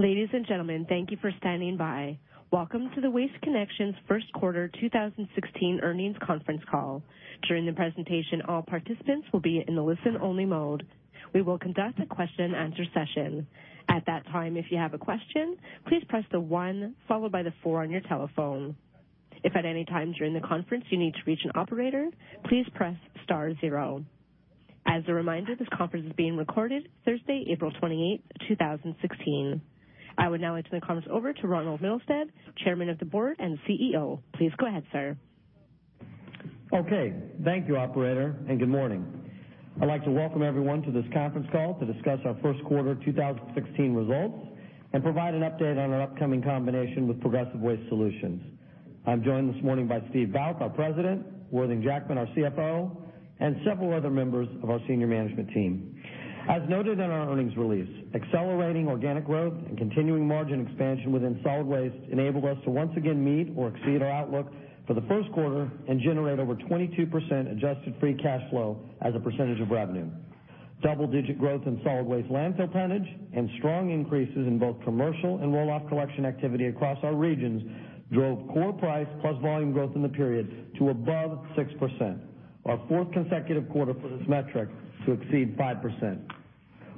Ladies and gentlemen, thank thank you for standing by. Welcome to the Waste Connections first quarter 2016 earnings conference call. During the presentation, all participants will be in the listen-only mode. We will conduct a question and answer session. At that time, if you have a question, please press the 1 followed by the 4 on your telephone. If at any time during the conference you need to reach an operator, please press star 0. As a reminder, this conference is being recorded Thursday, April 28, 2016. I would now like to turn the conference over to Ronald Mittelstaedt, chairman of the board and CEO. Please go ahead, sir. Thank you, operator, and good morning. I'd like to welcome everyone to this conference call to discuss our first quarter 2016 results and provide an update on our upcoming combination with Progressive Waste Solutions. I'm joined this morning by Steve Bouck, our president, Worthing Jackman, our CFO, and several other members of our senior management team. As noted in our earnings release, accelerating organic growth and continuing margin expansion within solid waste enabled us to once again meet or exceed our outlook for the first quarter and generate over 22% adjusted free cash flow as a percentage of revenue. Double-digit growth in solid waste landfill tonnage and strong increases in both commercial and roll-off collection activity across our regions drove core price plus volume growth in the period to above 6%, our fourth consecutive quarter for this metric to exceed 5%.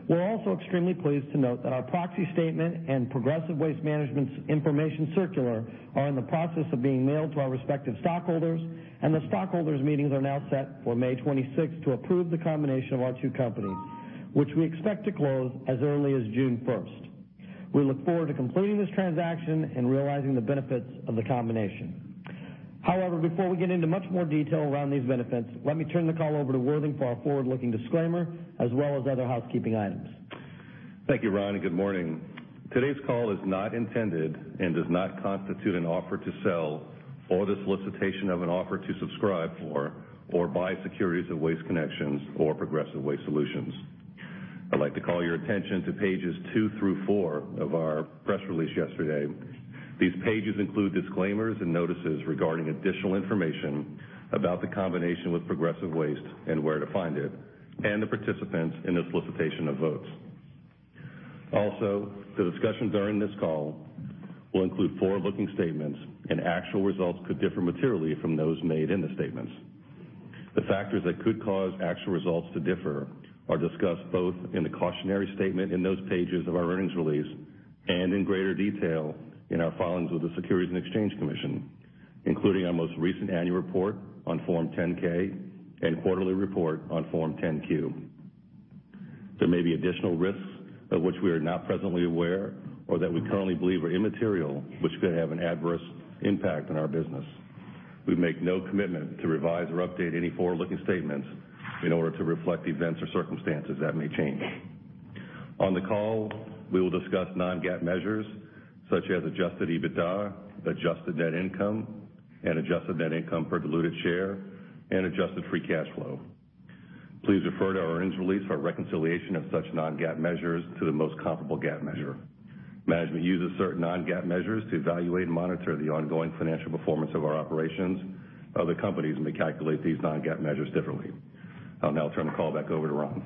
We're also extremely pleased to note that our proxy statement and Progressive Waste Solutions' information circular are in the process of being mailed to our respective stockholders, and the stockholders meetings are now set for May 26th to approve the combination of our two companies, which we expect to close as early as June 1st. We look forward to completing this transaction and realizing the benefits of the combination. Before we get into much more detail around these benefits, let me turn the call over to Worthing for our forward-looking disclaimer, as well as other housekeeping items. Thank you, Ron, and good morning. Today's call is not intended and does not constitute an offer to sell or the solicitation of an offer to subscribe for or buy securities of Waste Connections or Progressive Waste Solutions. I'd like to call your attention to pages two through four of our press release yesterday. These pages include disclaimers and notices regarding additional information about the combination with Progressive Waste and where to find it, and the participants in the solicitation of votes. The discussions during this call will include forward-looking statements, and actual results could differ materially from those made in the statements. The factors that could cause actual results to differ are discussed both in the cautionary statement in those pages of our earnings release and in greater detail in our filings with the Securities and Exchange Commission, including our most recent annual report on Form 10-K and quarterly report on Form 10-Q. There may be additional risks of which we are not presently aware or that we currently believe are immaterial, which could have an adverse impact on our business. We make no commitment to revise or update any forward-looking statements in order to reflect events or circumstances that may change. On the call, we will discuss non-GAAP measures such as adjusted EBITDA, adjusted net income, and adjusted net income per diluted share, and adjusted free cash flow. Please refer to our earnings release for a reconciliation of such non-GAAP measures to the most comparable GAAP measure. Management uses certain non-GAAP measures to evaluate and monitor the ongoing financial performance of our operations. Other companies may calculate these non-GAAP measures differently. I'll now turn the call back over to Ron.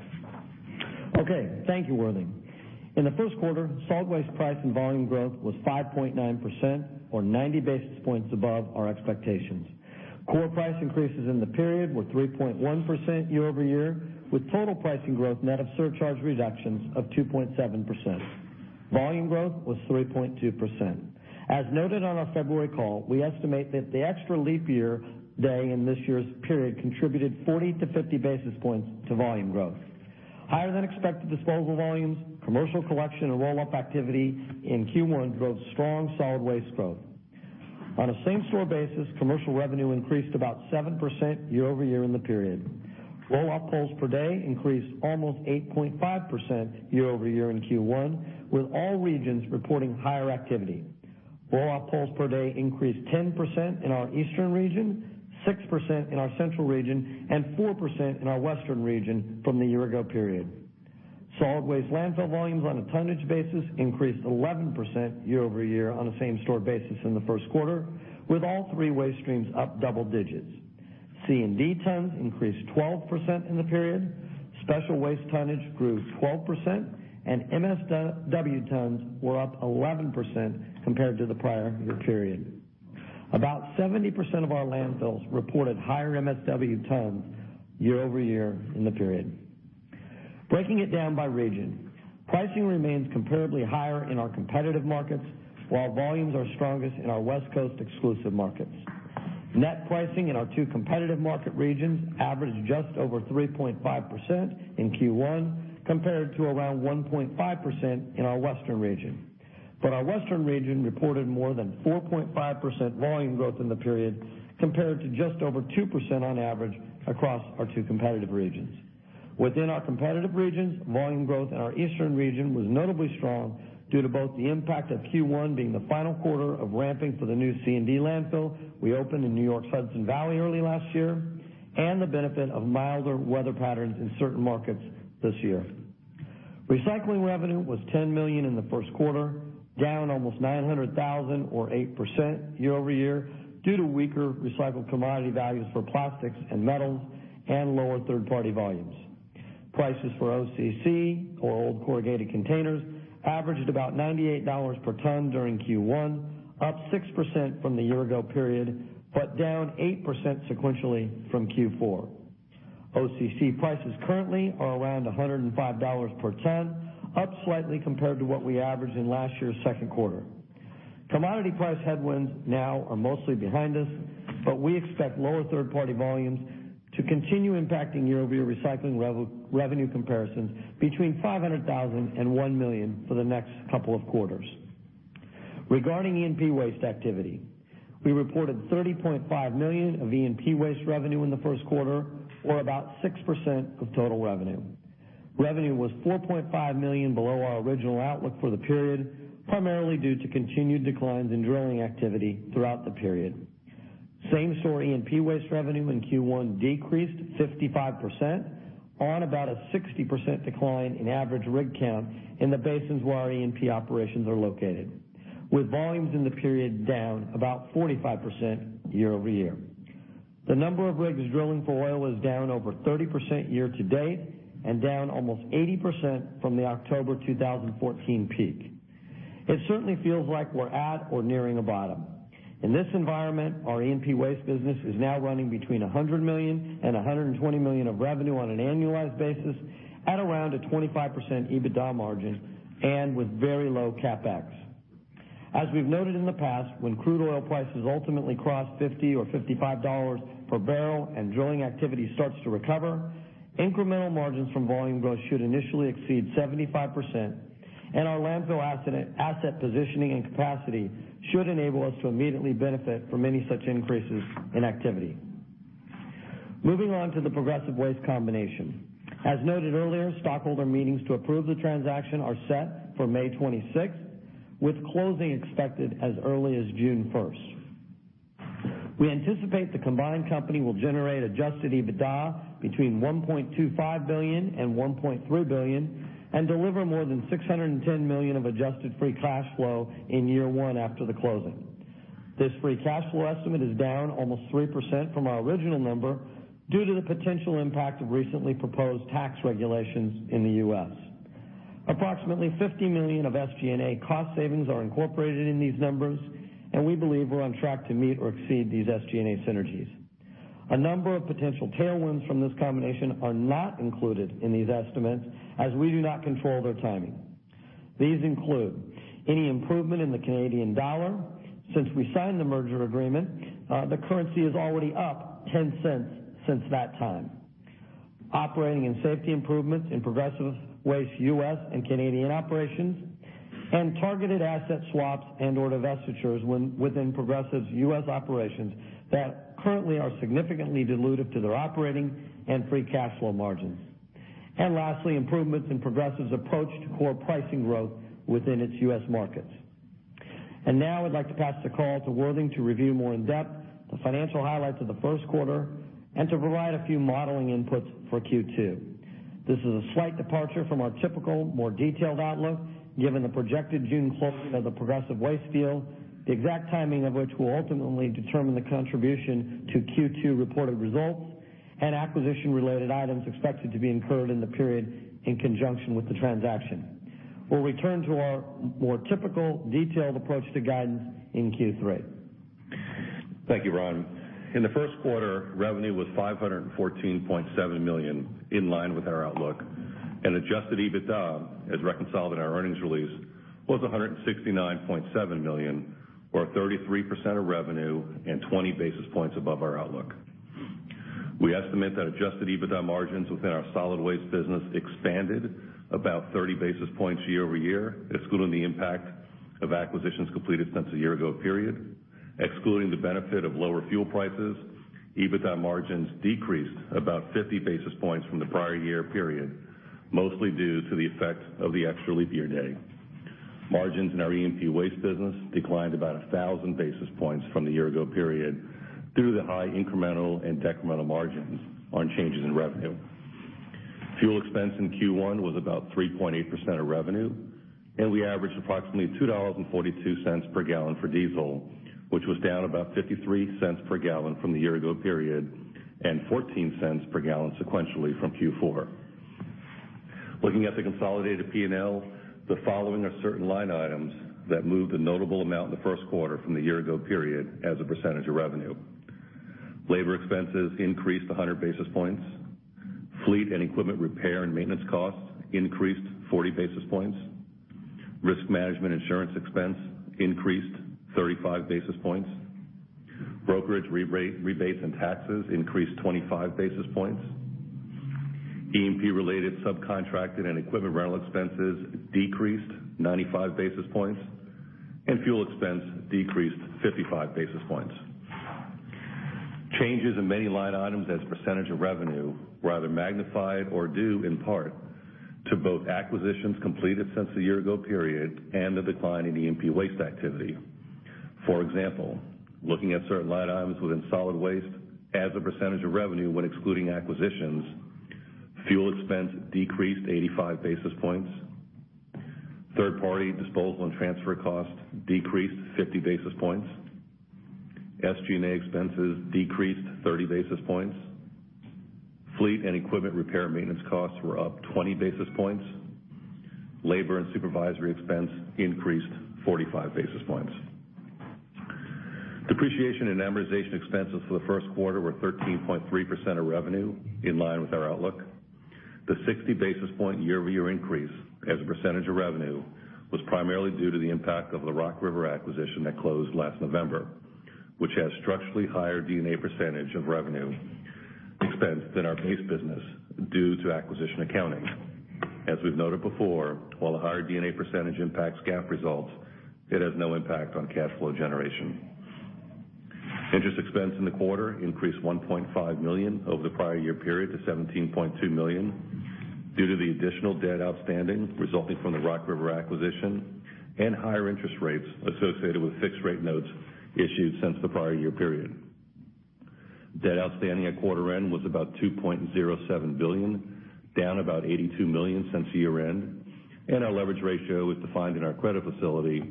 Okay. Thank you, Worthing. In the first quarter, solid waste price and volume growth was 5.9% or 90 basis points above our expectations. Core price increases in the period were 3.1% year-over-year, with total pricing growth net of surcharge reductions of 2.7%. Volume growth was 3.2%. As noted on our February call, we estimate that the extra leap year day in this year's period contributed 40 to 50 basis points to volume growth. Higher than expected disposal volumes, commercial collection, and roll-off activity in Q1 drove strong solid waste growth. On a same-store basis, commercial revenue increased about 7% year-over-year in the period. Roll-off pulls per day increased almost 8.5% year-over-year in Q1, with all regions reporting higher activity. Roll-off pulls per day increased 10% in our eastern region, 6% in our central region, and 4% in our western region from the year-ago period. Solid waste landfill volumes on a tonnage basis increased 11% year-over-year on a same-store basis in the first quarter, with all three waste streams up double digits. C&D tons increased 12% in the period, special waste tonnage grew 12%, and MSW tons were up 11% compared to the prior-year period. About 70% of our landfills reported higher MSW tons year-over-year in the period. Breaking it down by region, pricing remains comparably higher in our competitive markets while volumes are strongest in our West Coast exclusive markets. Net pricing in our two competitive market regions averaged just over 3.5% in Q1 compared to around 1.5% in our western region. Our western region reported more than 4.5% volume growth in the period, compared to just over 2% on average across our two competitive regions. Within our competitive regions, volume growth in our eastern region was notably strong due to both the impact of Q1 being the final quarter of ramping for the new C&D landfill we opened in New York's Hudson Valley early last year and the benefit of milder weather patterns in certain markets this year. Recycling revenue was $10 million in the first quarter, down almost $900,000 or 8% year-over-year due to weaker recycled commodity values for plastics and metals and lower third-party volumes. Prices for OCC, or old corrugated containers, averaged about $98 per ton during Q1, up 6% from the year-ago period, but down 8% sequentially from Q4. OCC prices currently are around $105 per ton, up slightly compared to what we averaged in last year's second quarter. Commodity price headwinds now are mostly behind us, but we expect lower third-party volumes to continue impacting year-over-year recycling revenue comparisons between $500,000-$1 million for the next couple of quarters. Regarding E&P waste activity, we reported $30.5 million of E&P waste revenue in the first quarter, or about 6% of total revenue. Revenue was $4.5 million below our original outlook for the period, primarily due to continued declines in drilling activity throughout the period. Same-store E&P waste revenue in Q1 decreased 55% on about a 60% decline in average rig count in the basins where our E&P operations are located, with volumes in the period down about 45% year-over-year. The number of rigs drilling for oil is down over 30% year-to-date and down almost 80% from the October 2014 peak. It certainly feels like we're at or nearing a bottom. In this environment, our E&P waste business is now running between $100 million-$120 million of revenue on an annualized basis at around a 25% EBITDA margin and with very low CapEx. As we've noted in the past, when crude oil prices ultimately cross $50 or $55 per barrel and drilling activity starts to recover, incremental margins from volume growth should initially exceed 75%, and our landfill asset positioning and capacity should enable us to immediately benefit from any such increases in activity. Moving on to the Progressive Waste combination. As noted earlier, stockholder meetings to approve the transaction are set for May 26th, with closing expected as early as June 1st. We anticipate the combined company will generate adjusted EBITDA between $1.25 billion-$1.3 billion and deliver more than $610 million of adjusted free cash flow in year one after the closing. This free cash flow estimate is down almost 3% from our original number due to the potential impact of recently proposed tax regulations in the U.S. Approximately $50 million of SG&A cost savings are incorporated in these numbers, and we believe we're on track to meet or exceed these SG&A synergies. A number of potential tailwinds from this combination are not included in these estimates, as we do not control their timing. These include any improvement in the Canadian dollar. Since we signed the merger agreement, the currency is already up 0.10 since that time. Operating and safety improvements in Progressive Waste U.S. and Canadian operations and targeted asset swaps and/or divestitures within Progressive's U.S. operations that currently are significantly dilutive to their operating and free cash flow margins. Lastly, improvements in Progressive's approach to core pricing growth within its U.S. markets. Now I'd like to pass the call to Worthing to review more in-depth the financial highlights of the first quarter and to provide a few modeling inputs for Q2. This is a slight departure from our typical, more detailed outlook, given the projected June closing of the Progressive Waste deal, the exact timing of which will ultimately determine the contribution to Q2 reported results and acquisition-related items expected to be incurred in the period in conjunction with the transaction. We'll return to our more typical, detailed approach to guidance in Q3. Thank you, Ron. In the first quarter, revenue was $514.7 million, in line with our outlook, and adjusted EBITDA, as reconciled in our earnings release, was $169.7 million, or 33% of revenue and 20 basis points above our outlook. We estimate that adjusted EBITDA margins within our solid waste business expanded about 30 basis points year-over-year, excluding the impact of acquisitions completed since the year-ago period. Excluding the benefit of lower fuel prices, EBITDA margins decreased about 50 basis points from the prior year period, mostly due to the effect of the extra leap year day. Margins in our E&P waste business declined about 1,000 basis points from the year-ago period due to the high incremental and decremental margins on changes in revenue. Fuel expense in Q1 was about 3.8% of revenue. We averaged approximately $2.42 per gallon for diesel, which was down about $0.53 per gallon from the year-ago period and $0.14 per gallon sequentially from Q4. Looking at the consolidated P&L, the following are certain line items that moved a notable amount in the first quarter from the year-ago period as a percentage of revenue. Labor expenses increased 100 basis points. Fleet and equipment repair and maintenance costs increased 40 basis points. Risk management insurance expense increased 35 basis points. Brokerage rebates and taxes increased 25 basis points. E&P-related subcontracted and equipment rental expenses decreased 95 basis points. Fuel expense decreased 55 basis points. Changes in many line items as a percentage of revenue were either magnified or due in part to both acquisitions completed since the year-ago period and the decline in E&P waste activity. For example, looking at certain line items within solid waste as a percentage of revenue when excluding acquisitions, fuel expense decreased 85 basis points. Third-party disposal and transfer costs decreased 50 basis points. SG&A expenses decreased 30 basis points. Fleet and equipment repair maintenance costs were up 20 basis points. Labor and supervisory expense increased 45 basis points. Depreciation and amortization expenses for the first quarter were 13.3% of revenue, in line with our outlook. The 60 basis point year-over-year increase as a percentage of revenue was primarily due to the impact of the Rock River acquisition that closed last November, which has structurally higher D&A percentage of revenue expense than our base business due to acquisition accounting. As we've noted before, while the higher D&A percentage impacts GAAP results, it has no impact on cash flow generation. Interest expense in the quarter increased $1.5 million over the prior year period to $17.2 million due to the additional debt outstanding resulting from the Rock River acquisition and higher interest rates associated with fixed-rate notes issued since the prior year period. Debt outstanding at quarter end was about $2.07 billion, down about $82 million since year-end, and our leverage ratio, as defined in our credit facility,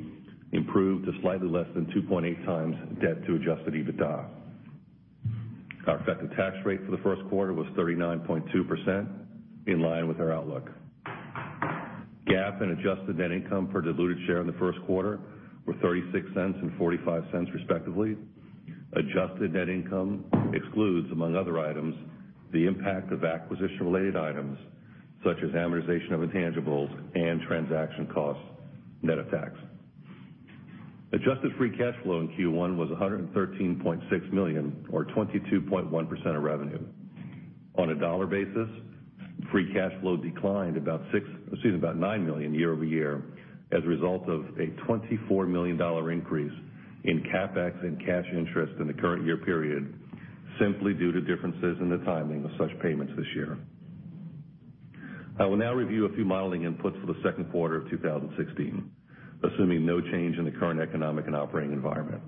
improved to slightly less than 2.8 times debt to adjusted EBITDA. Our effective tax rate for the first quarter was 39.2%, in line with our outlook. GAAP and adjusted net income per diluted share in the first quarter were $0.36 and $0.45 respectively. Adjusted net income excludes, among other items, the impact of acquisition-related items such as amortization of intangibles and transaction costs, net-of-tax. Adjusted free cash flow in Q1 was $113.6 million or 22.1% of revenue. On a dollar basis, free cash flow declined about $9 million year-over-year as a result of a $24 million increase in CapEx and cash interest in the current year period, simply due to differences in the timing of such payments this year. I will now review a few modeling inputs for the second quarter of 2016, assuming no change in the current economic and operating environment.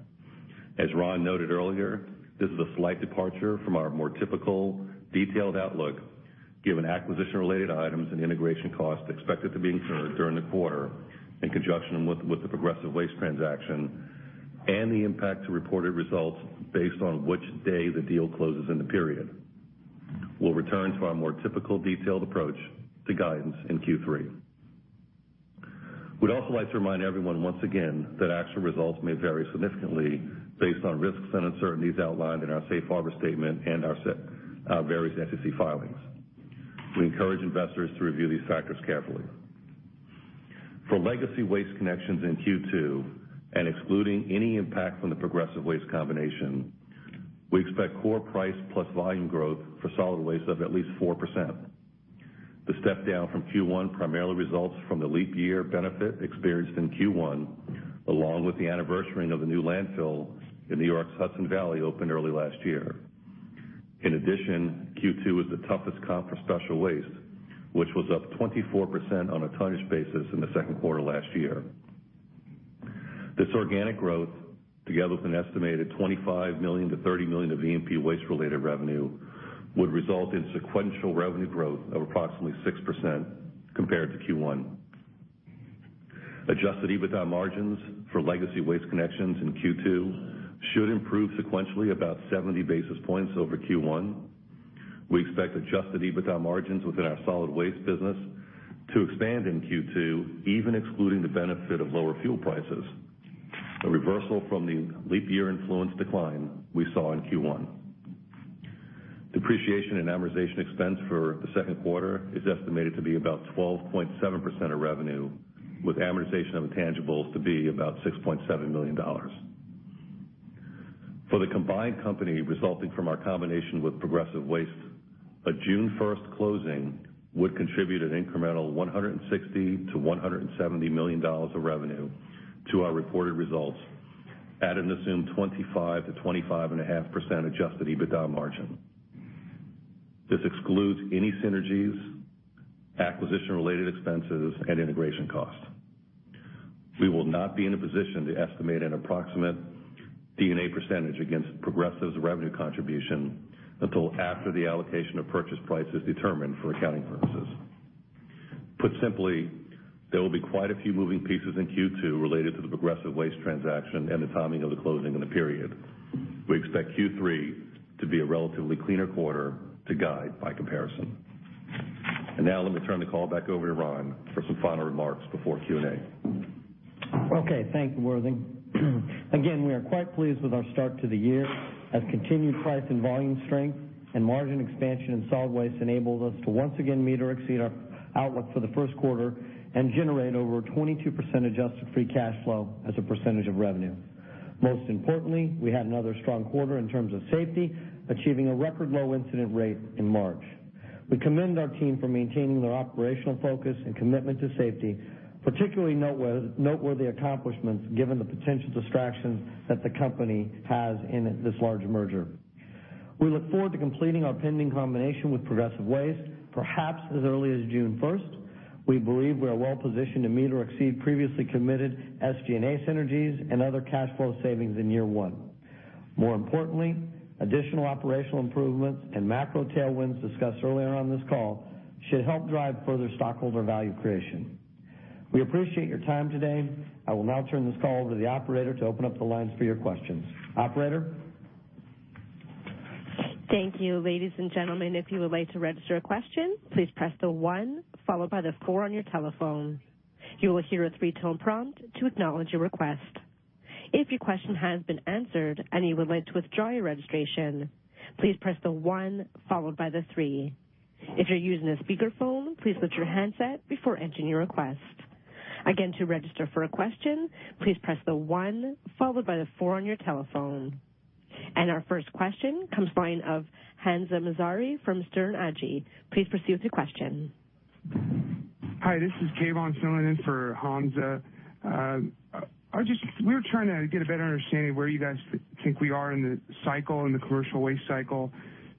As Ron noted earlier, this is a slight departure from our more typical detailed outlook, given acquisition-related items and integration costs expected to be incurred during the quarter in conjunction with the Progressive Waste transaction and the impact to reported results based on which day the deal closes in the period. We'll return to our more typical detailed approach to guidance in Q3. We'd also like to remind everyone once again that actual results may vary significantly based on risks and uncertainties outlined in our safe harbor statement and our various SEC filings. We encourage investors to review these factors carefully. For legacy Waste Connections in Q2 and excluding any impact from the Progressive Waste combination, we expect core price plus volume growth for solid waste of at least 4%. The step-down from Q1 primarily results from the leap year benefit experienced in Q1, along with the anniversarying of the new landfill in New York's Hudson Valley, opened early last year. Q2 is the toughest comp for special waste, which was up 24% on a tonnage basis in the second quarter last year. This organic growth, together with an estimated $25 million-$30 million of E&P waste-related revenue, would result in sequential revenue growth of approximately 6% compared to Q1. Adjusted EBITDA margins for legacy Waste Connections in Q2 should improve sequentially about 70 basis points over Q1. We expect adjusted EBITDA margins within our solid waste business to expand in Q2, even excluding the benefit of lower fuel prices, a reversal from the leap year-influenced decline we saw in Q1. Depreciation and Amortization expense for the second quarter is estimated to be about 12.7% of revenue, with amortization of intangibles to be about $6.7 million. For the combined company resulting from our combination with Progressive Waste, a June 1st closing would contribute an incremental $160 million-$170 million of revenue to our reported results at an assumed 25%-25.5% adjusted EBITDA margin. This excludes any synergies, acquisition-related expenses, and integration costs. We will not be in a position to estimate an approximate D&A percentage against Progressive's revenue contribution until after the allocation of purchase price is determined for accounting purposes. Put simply, there will be quite a few moving pieces in Q2 related to the Progressive Waste transaction and the timing of the closing in the period. We expect Q3 to be a relatively cleaner quarter to guide by comparison. Now let me turn the call back over to Ron for some final remarks before Q&A. Okay. Thank you, Worthing. Again, we are quite pleased with our start to the year as continued price and volume strength and margin expansion in solid waste enabled us to once again meet or exceed our outlook for the first quarter and generate over 22% adjusted free cash flow as a percentage of revenue. Most importantly, we had another strong quarter in terms of safety, achieving a record low incident rate in March. We commend our team for maintaining their operational focus and commitment to safety, particularly noteworthy accomplishments given the potential distractions that the company has in this large merger. We look forward to completing our pending combination with Progressive Waste, perhaps as early as June 1st. We believe we are well-positioned to meet or exceed previously committed SG&A synergies and other cash flow savings in year one. More importantly, additional operational improvements and macro tailwinds discussed earlier on this call should help drive further stockholder value creation. We appreciate your time today. I will now turn this call over to the operator to open up the lines for your questions. Operator? Thank you. Ladies and gentlemen, if you would like to register a question, please press the one followed by the four on your telephone. You will hear a three-tone prompt to acknowledge your request. If your question has been answered and you would like to withdraw your registration, please press the one followed by the three. If you're using a speakerphone, please lift your handset before entering your request. Again, to register for a question, please press the one followed by the four on your telephone. Our first question comes line of Hamza Mazari from Sterne Agee. Please proceed with your question. Hi, this is Kayvon filling in for Hamza. We were trying to get a better understanding of where you guys think we are in the cycle, in the commercial waste cycle,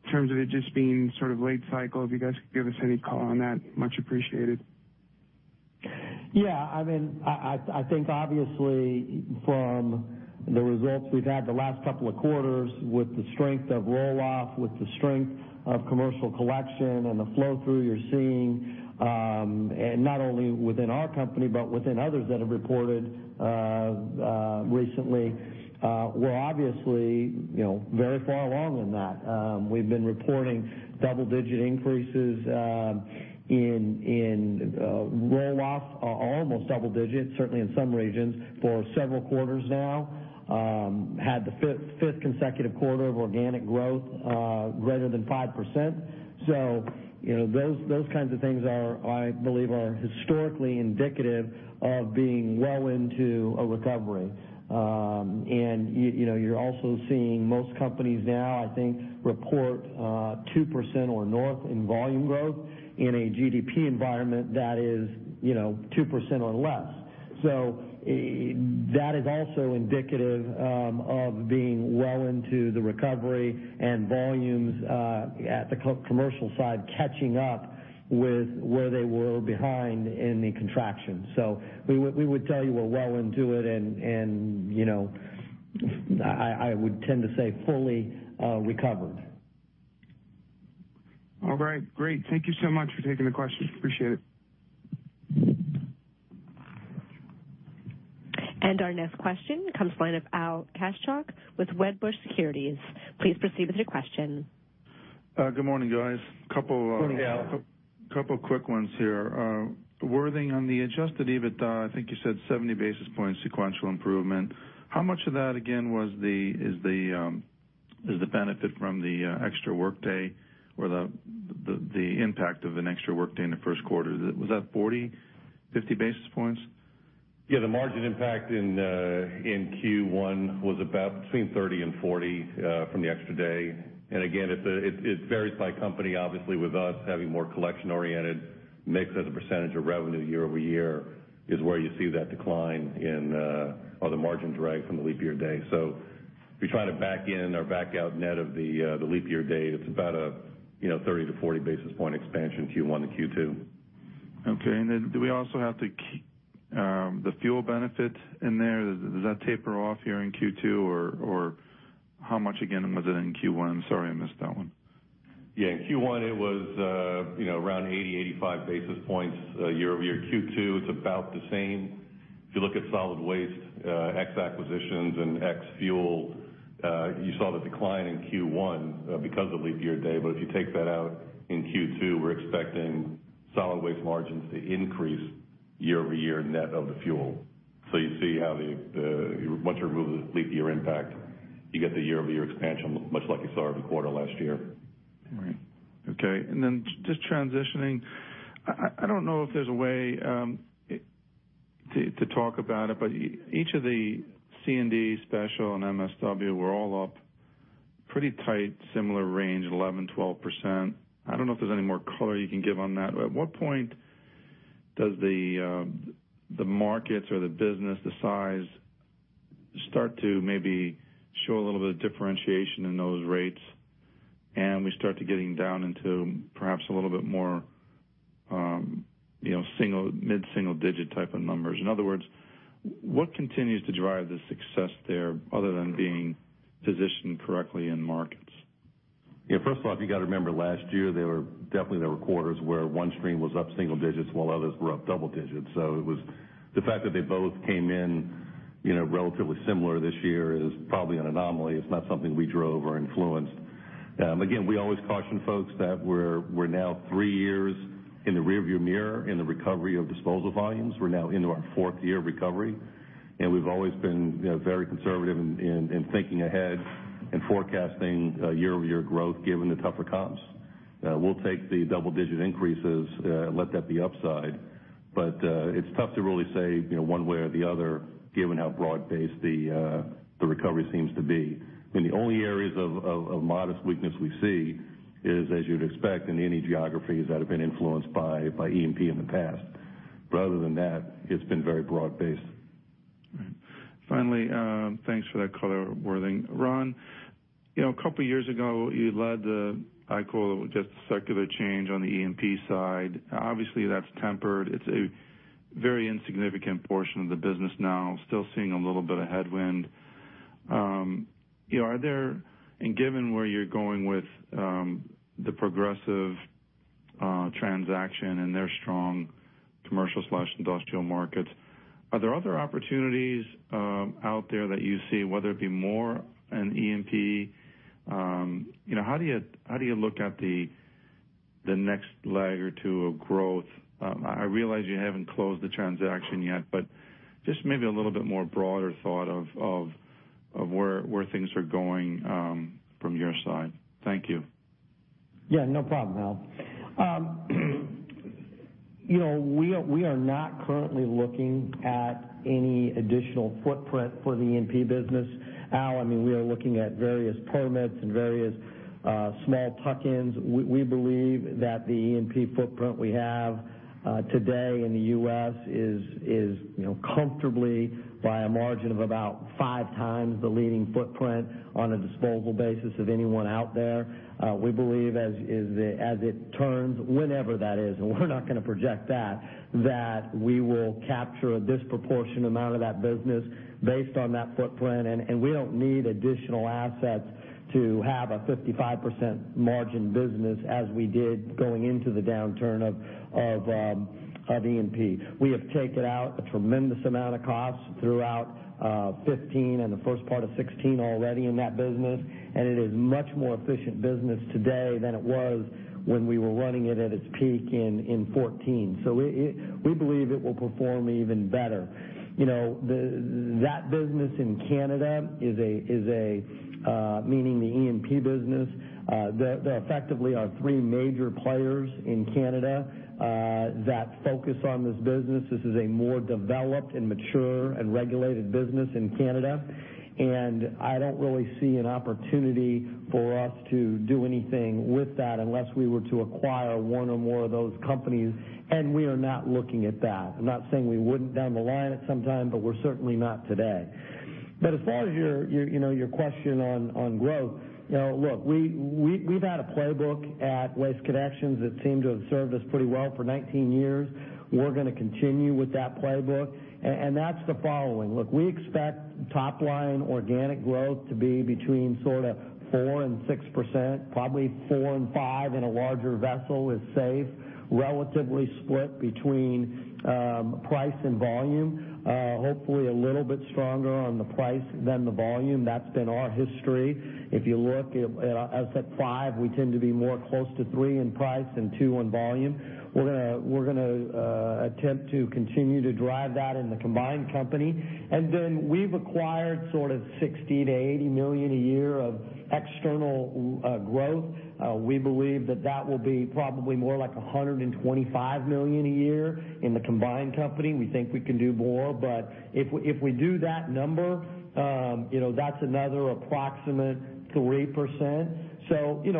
in terms of it just being sort of late cycle. If you guys could give us any call on that, much appreciated. Yeah, I think obviously from the results we've had the last couple of quarters with the strength of roll-off, with the strength of commercial collection and the flow-through you're seeing, not only within our company but within others that have reported recently, we're obviously very far along in that. We've been reporting double-digit increases in roll-off, or almost double digits, certainly in some regions, for several quarters now. Had the fifth consecutive quarter of organic growth greater than 5%. Those kinds of things, I believe, are historically indicative of being well into a recovery. You're also seeing most companies now, I think, report 2% or north in volume growth in a GDP environment that is 2% or less. That is also indicative of being well into the recovery and volumes at the commercial side catching up with where they were behind in the contraction. We would tell you we're well into it and I would tend to say fully recovered. All right. Great. Thank you so much for taking the questions. Appreciate it. Our next question comes line of Al Kaschalk with Wedbush Securities. Please proceed with your question. Good morning, guys. Good morning, Al. Couple quick ones here. Worthing, on the adjusted EBITDA, I think you said 70 basis points sequential improvement. How much of that, again, is the benefit from the extra workday or the impact of an extra workday in the first quarter? Was that 40, 50 basis points? Yeah, the margin impact in Q1 was about between 30 and 40 from the extra day. Again, it varies by company. Obviously, with us having more collection-oriented mix as a percentage of revenue year-over-year is where you see that decline or the margin drag from the leap year day. If you try to back in or back out net of the leap year day, it's about a 30 to 40 basis point expansion Q1 to Q2. Okay. Then do we also have to keep the fuel benefit in there? Does that taper off here in Q2, or how much again was it in Q1? I'm sorry, I missed that one. Yeah. In Q1, it was around 80, 85 basis points year-over-year. Q2, it's about the same. If you look at solid waste ex acquisitions and ex fuel, you saw the decline in Q1 because of leap year day. If you take that out in Q2, we're expecting solid waste margins to increase year-over-year net of the fuel. You see how once you remove the leap year impact, you get the year-over-year expansion, much like you saw every quarter last year. Right. Okay. Then just transitioning, I don't know if there's a way to talk about it, but each of the C&D special and MSW were all up pretty tight, similar range, 11%, 12%. I don't know if there's any more color you can give on that. At what point does the markets or the business, the size, start to maybe show a little bit of differentiation in those rates and we start to getting down into perhaps a little bit more mid-single digit type of numbers? In other words, what continues to drive the success there other than being positioned correctly in markets? First of all, you got to remember last year, definitely there were quarters where one stream was up single digits while others were up double digits. The fact that they both came in relatively similar this year is probably an anomaly. It's not something we drove or influenced. Again, we always caution folks that we're now three years in the rear view mirror in the recovery of disposal volumes. We're now into our fourth year of recovery, and we've always been very conservative in thinking ahead and forecasting year-over-year growth given the tougher comps. We'll take the double-digit increases, let that be upside. It's tough to really say one way or the other, given how broad-based the recovery seems to be. I mean, the only areas of modest weakness we see is, as you'd expect, in any geographies that have been influenced by E&P in the past. Other than that, it's been very broad-based. Right. Finally, thanks for that color, Worthing. Ron, a couple years ago, you led the, I call it, just circular change on the E&P side. Obviously, that's tempered. It's a very insignificant portion of the business now, still seeing a little bit of headwind. Given where you're going with the Progressive transaction and their strong commercial/industrial markets, are there other opportunities out there that you see, whether it be more in E&P? How do you look at the next leg or two of growth? I realize you haven't closed the transaction yet, but just maybe a little bit more broader thought of where things are going from your side. Thank you. No problem, Al. We are not currently looking at any additional footprint for the E&P business, Al. We are looking at various permits and various small tuck-ins. We believe that the E&P footprint we have today in the U.S. is comfortably by a margin of about five times the leading footprint on a disposal basis of anyone out there. We believe as it turns, whenever that is, and we're not going to project that we will capture a disproportionate amount of that business based on that footprint, and we don't need additional assets to have a 55% margin business as we did going into the downturn of E&P. We have taken out a tremendous amount of costs throughout 2015 and the first part of 2016 already in that business, and it is much more efficient business today than it was when we were running it at its peak in 2014. We believe it will perform even better. That business in Canada, meaning the E&P business, there effectively are three major players in Canada that focus on this business. This is a more developed and mature and regulated business in Canada. I don't really see an opportunity for us to do anything with that unless we were to acquire one or more of those companies, and we are not looking at that. I'm not saying we wouldn't down the line at some time, but we're certainly not today. As far as your question on growth, look, we've had a playbook at Waste Connections that seemed to have served us pretty well for 19 years. We're going to continue with that playbook, and that's the following. Look, we expect top line organic growth to be between 4% and 6%, probably 4% and 5% in a larger vessel is safe, relatively split between price and volume. Hopefully, a little bit stronger on the price than the volume. That's been our history. If you look at, as at 5%, we tend to be more close to 3% in price than 2% on volume. We're going to attempt to continue to drive that in the combined company. Then we've acquired sort of $60 million-$80 million a year of external growth. We believe that that will be probably more like $125 million a year in the combined company. We think we can do more, if we do that number, that's another approximate 3%.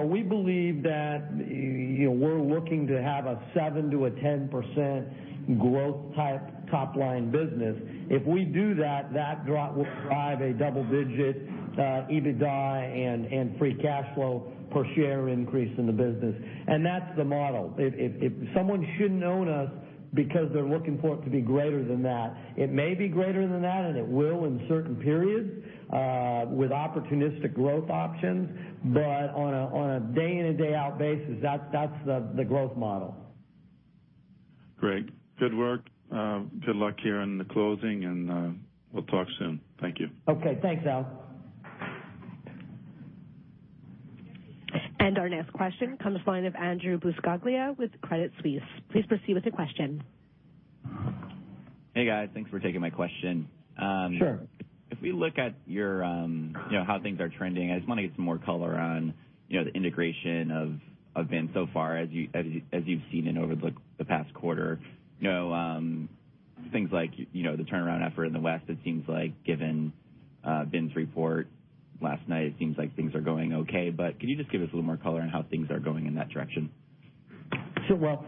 We believe that we're looking to have a 7%-10% growth type top line business. If we do that will drive a double-digit EBITDA and adjusted free cash flow per share increase in the business. That's the model. Someone shouldn't own us because they're looking for it to be greater than that. It may be greater than that, and it will in certain periods with opportunistic growth options. On a day-in and day-out basis, that's the growth model. Great. Good work. Good luck here in the closing, we'll talk soon. Thank you. Okay. Thanks, Al. Our next question comes from the line of Andrew Buscaglia with Credit Suisse. Please proceed with your question. Hey, guys. Thanks for taking my question. Sure. If we look at how things are trending, I just want to get some more color on the integration of BIN so far as you've seen in over the past quarter. Things like the turnaround effort in the West, it seems like given BIN's report last night, it seems like things are going okay, but can you just give us a little more color on how things are going in that direction? Sure.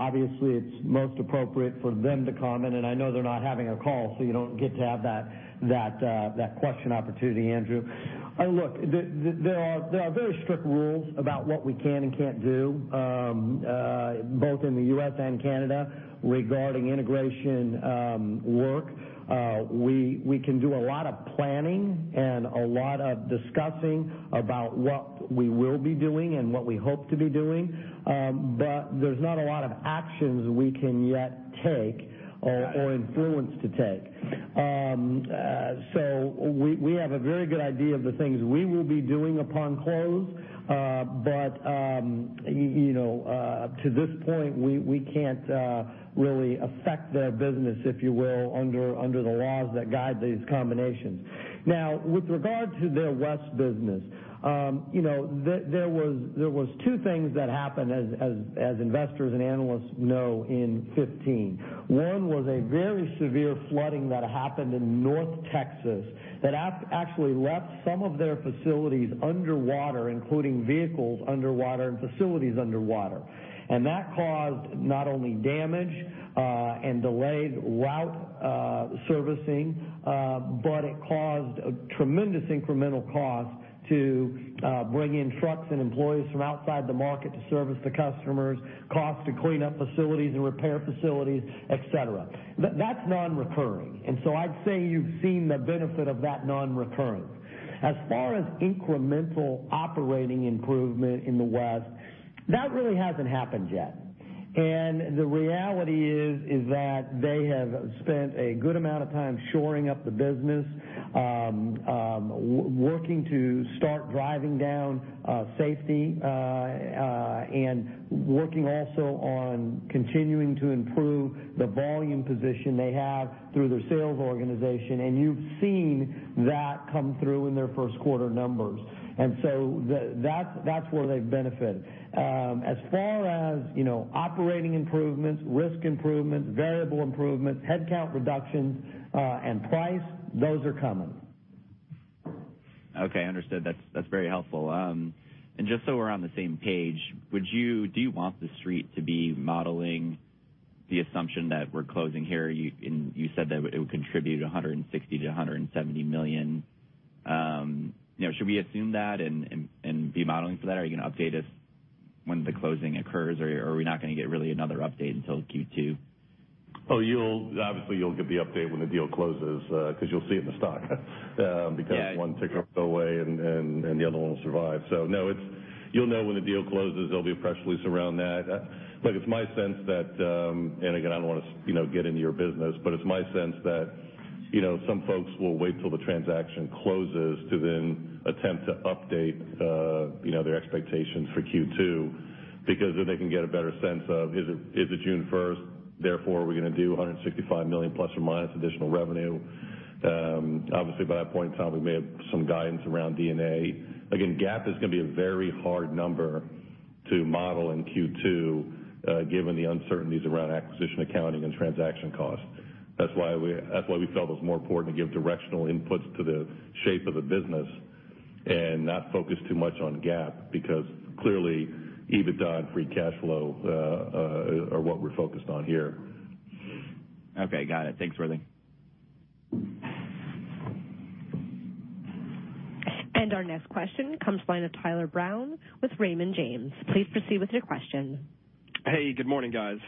Obviously, it's most appropriate for them to comment, and I know they're not having a call, so you don't get to have that question opportunity, Andrew Buscaglia. Look, there are very strict rules about what we can and can't do both in the U.S. and Canada regarding integration work. We can do a lot of planning and a lot of discussing about what we will be doing and what we hope to be doing. There's not a lot of actions we can yet take or influence to take. We have a very good idea of the things we will be doing upon close. To this point, we can't really affect their business, if you will, under the laws that guide these combinations. With regard to their West business, there was two things that happened as investors and analysts know in 2015. One was a very severe flooding that happened in North Texas that actually left some of their facilities underwater, including vehicles underwater and facilities underwater. That caused not only damage and delayed route Servicing, but it caused a tremendous incremental cost to bring in trucks and employees from outside the market to service the customers, cost to clean up facilities and repair facilities, et cetera. That's non-recurring, I'd say you've seen the benefit of that non-recurrence. As far as incremental operating improvement in the West, that really hasn't happened yet. The reality is that they have spent a good amount of time shoring up the business, working to start driving down safety, and working also on continuing to improve the volume position they have through their sales organization. You've seen that come through in their first quarter numbers. That's where they've benefited. As far as operating improvements, risk improvements, variable improvements, headcount reductions, and price, those are coming. Okay, understood. That's very helpful. Just so we're on the same page, do you want the Street to be modeling the assumption that we're closing here? You said that it would contribute $160 million-$170 million. Should we assume that and be modeling for that? Are you going to update us when the closing occurs? Are we not going to get really another update until Q2? Obviously, you'll get the update when the deal closes because you'll see it in the stock because one ticker will go away, and the other one will survive. No, you'll know when the deal closes. There'll be a press release around that. Look, it's my sense that, and again, I don't want to get into your business, but it's my sense that some folks will wait till the transaction closes to then attempt to update their expectations for Q2 because then they can get a better sense of, is it June 1st, therefore are we going to do $165 million ± additional revenue? Obviously, by that point in time, we may have some guidance around D&A. Again, GAAP is going to be a very hard number to model in Q2 given the uncertainties around acquisition accounting and transaction costs. That's why we felt it was more important to give directional inputs to the shape of the business and not focus too much on GAAP because clearly, EBITDA and free cash flow are what we're focused on here. Okay, got it. Thanks, Ricky. Our next question comes from the line of Tyler Brown with Raymond James. Please proceed with your question. Hey, good morning, guys.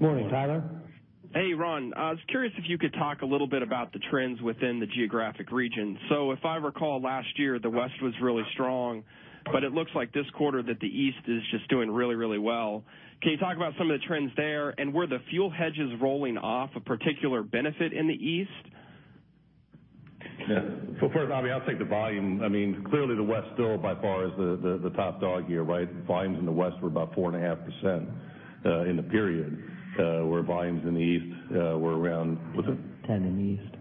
Morning, Tyler. Hey, Ron. I was curious if you could talk a little bit about the trends within the geographic region. If I recall last year, the West was really strong, but it looks like this quarter that the East is just doing really well. Can you talk about some of the trends there and were the fuel hedges rolling off a particular benefit in the East? Yeah. First, I'll take the volume. Clearly, the West still by far is the top dog here. Volumes in the West were about 4.5% in the period, where volumes in the East were around. 10 in the East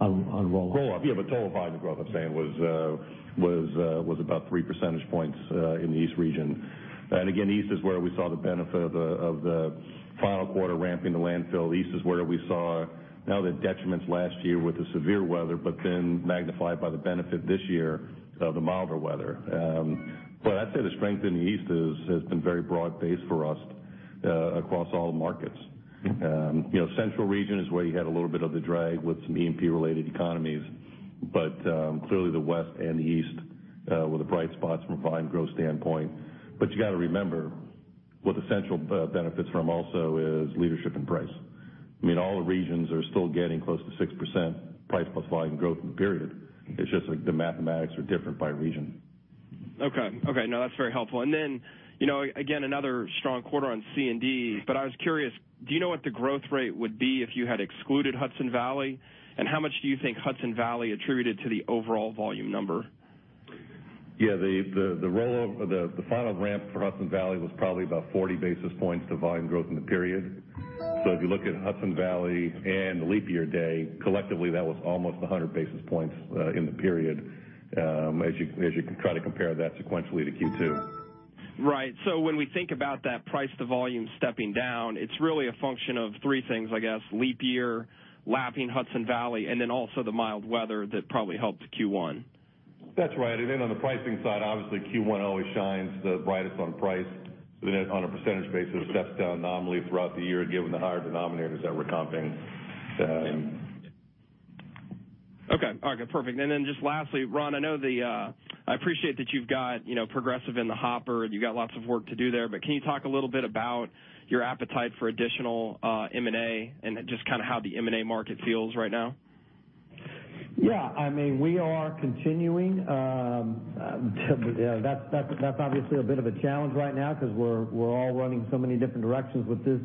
on roll-off. Roll-off. Yeah, total volume growth, I'm saying was about three percentage points in the East region. Again, East is where we saw the benefit of the final quarter ramp in the landfill. East is where we saw now the detriments last year with the severe weather, magnified by the benefit this year of the milder weather. I'd say the strength in the East has been very broad-based for us across all markets. Central region is where you had a little bit of the drag with some E&P related economies, but clearly the West and the East were the bright spots from a volume growth standpoint. You got to remember what the central benefits from also is leadership and price. All the regions are still getting close to 6% price plus volume growth in the period. It's just the mathematics are different by region. Okay. No, that's very helpful. Again, another strong quarter on C&D, but I was curious, do you know what the growth rate would be if you had excluded Hudson Valley? How much do you think Hudson Valley attributed to the overall volume number? Yeah, the final ramp for Hudson Valley was probably about 40 basis points to volume growth in the period. If you look at Hudson Valley and the leap year day, collectively, that was almost 100 basis points in the period as you try to compare that sequentially to Q2. When we think about that price to volume stepping down, it's really a function of three things, I guess, leap year, lapping Hudson Valley, and then also the mild weather that probably helped Q1. That's right. On the pricing side, obviously Q1 always shines the brightest on price. On a % basis, it steps down nominally throughout the year given the higher denominators that we're comping. Okay. All right, good. Perfect. Just lastly, Ron, I appreciate that you've got Progressive in the hopper and you've got lots of work to do there, but can you talk a little bit about your appetite for additional M&A and just how the M&A market feels right now? Yeah, we are continuing. That's obviously a bit of a challenge right now because we're all running so many different directions with this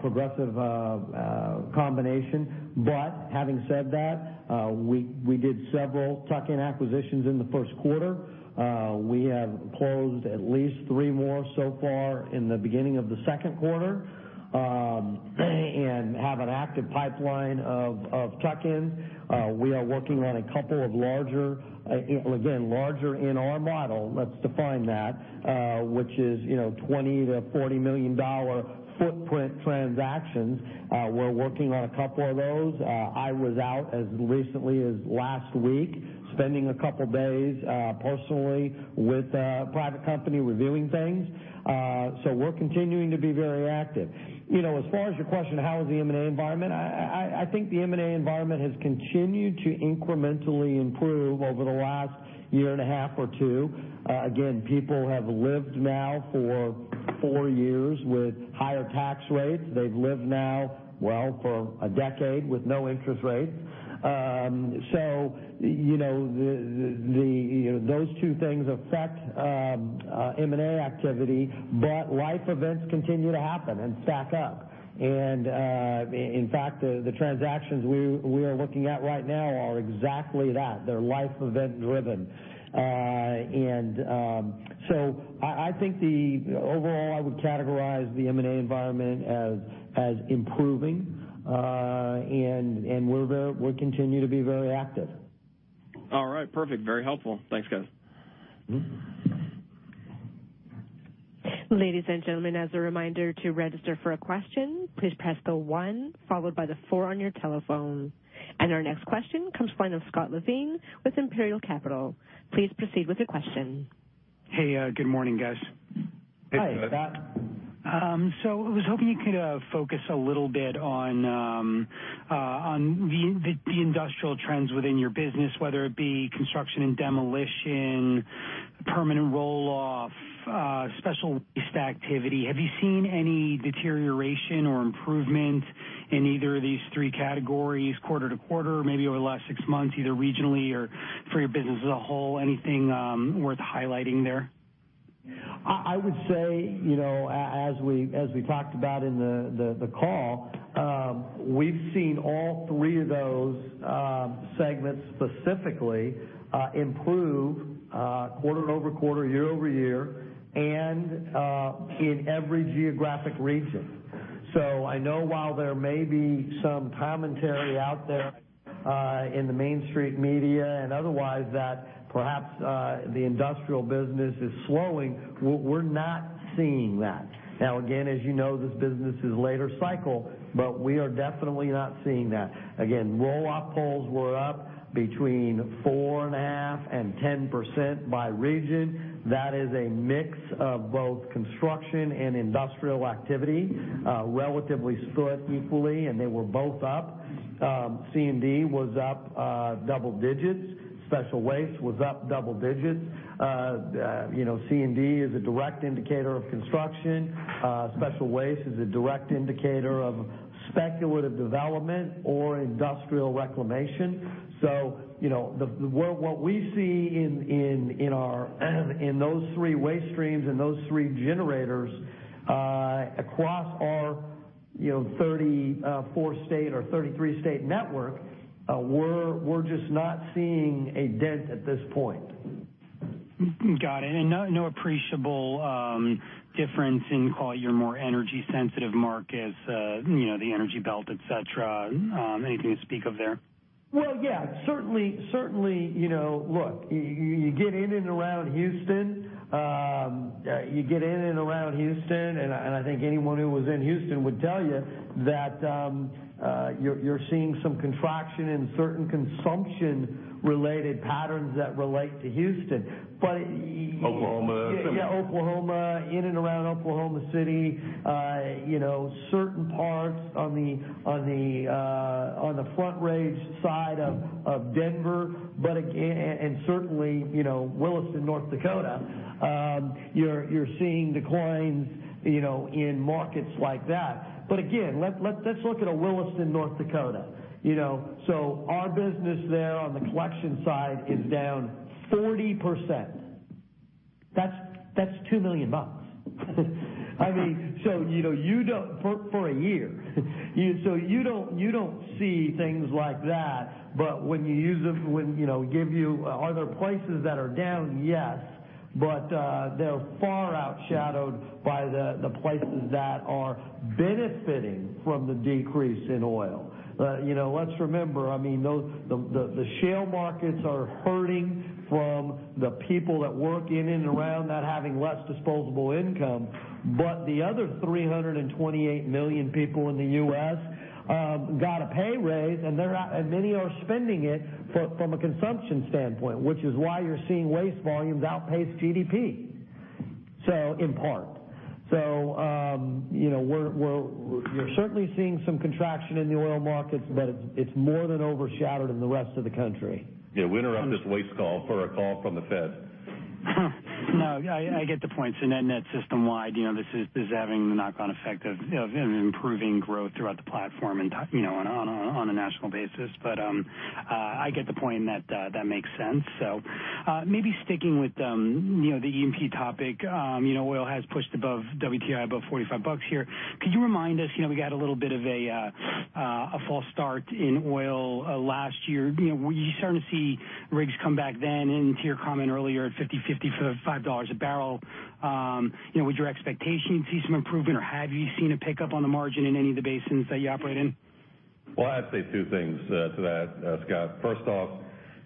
Progressive combination. Having said that, we did several tuck-in acquisitions in the first quarter. We have closed at least three more so far in the beginning of the second quarter. Have an active pipeline of tuck-ins. We are working on a couple of larger, again, larger in our model, let's define that, which is $20 million-$40 million footprint transactions. We're working on a couple of those. I was out as recently as last week, spending a couple of days personally with a private company reviewing things. We're continuing to be very active. As far as your question, how is the M&A environment? I think the M&A environment has continued to incrementally improve over the last year and a half or two. People have lived now for four years with higher tax rates. They've lived now, well, for a decade with no interest rates. Those two things affect M&A activity, but life events continue to happen and stack up. In fact, the transactions we are looking at right now are exactly that. They're life event driven. I think the overall, I would categorize the M&A environment as improving, and we'll continue to be very active. All right. Perfect. Very helpful. Thanks, guys. Ladies and gentlemen, as a reminder to register for a question, please press the one followed by the four on your telephone. Our next question comes from Scott Levine with Imperial Capital. Please proceed with your question. Hey, good morning, guys. Hi, Scott. I was hoping you could focus a little bit on the industrial trends within your business, whether it be construction and demolition, permanent roll-off, special waste activity. Have you seen any deterioration or improvement in either of these three categories quarter-to-quarter, maybe over the last six months, either regionally or for your business as a whole? Anything worth highlighting there? I would say, as we talked about in the call, we've seen all three of those segments specifically improve quarter-over-quarter, year-over-year, and in every geographic region. I know while there may be some commentary out there in the Main Street media and otherwise that perhaps the industrial business is slowing, we're not seeing that. Now, again, as you know, this business is later cycle, but we are definitely not seeing that. Again, roll-off pulls were up between 4.5%-10% by region. That is a mix of both construction and industrial activity, relatively split equally, and they were both up. C&D was up double digits. Special waste was up double digits. C&D is a direct indicator of construction. Special waste is a direct indicator of speculative development or industrial reclamation. What we see in those three waste streams and those three generators across our 34 state or 33 state network, we're just not seeing a dent at this point. Got it. No appreciable difference in, call it, your more energy sensitive markets, the energy belt, et cetera. Anything to speak of there? Well, yeah. Certainly, look, you get in and around Houston, and I think anyone who was in Houston would tell you that you're seeing some contraction in certain consumption-related patterns that relate to Houston. Oklahoma. Yeah, Oklahoma, in and around Oklahoma City. Certain parts on the Front Range side of Denver. Certainly, Williston, North Dakota. You're seeing declines in markets like that. Again, let's look at a Williston, North Dakota. Our business there on the collection side is down 40%. That's $2 million for a year. You don't see things like that. When we give you, are there places that are down? Yes. They're far overshadowed by the places that are benefiting from the decrease in oil. Let's remember, the shale markets are hurting from the people that work in and around not having less disposable income. The other 328 million people in the U.S. got a pay raise, and many are spending it from a consumption standpoint, which is why you're seeing waste volumes outpace GDP, in part. You're certainly seeing some contraction in the oil markets, but it's more than overshadowed in the rest of the country. Yeah. We interrupt this waste call for a call from the Fed. No, I get the point. Net system wide, this is having the knock-on effect of improving growth throughout the platform on a national basis. I get the point and that makes sense. Maybe sticking with the E&P topic. Oil has pushed above WTI, above $45 here. Could you remind us, we got a little bit of a false start in oil last year. You're starting to see rigs come back then. To your comment earlier, at 50/50 for $5 a barrel. Would your expectation see some improvement, or have you seen a pickup on the margin in any of the basins that you operate in? Well, I'd say two things to that, Scott. First off,